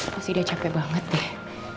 pasti udah capek banget deh